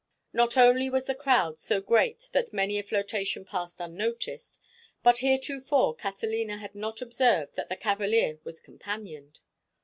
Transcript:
Not only was the crowd so great that many a flirtation passed unnoticed, but heretofore Catalina had not observed that the cavalier was companioned.